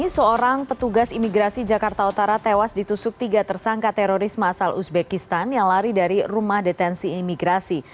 seorang petugas imigrasi jakarta utara tewas ditusuk tiga tersangka terorisme asal uzbekistan yang lari dari rumah detensi imigrasi